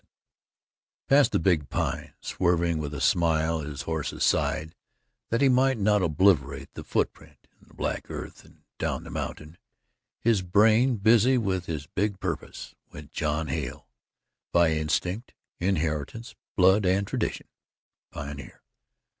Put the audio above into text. VII Past the Big Pine, swerving with a smile his horse aside that he might not obliterate the foot print in the black earth, and down the mountain, his brain busy with his big purpose, went John Hale, by instinct, inheritance, blood and tradition pioneer.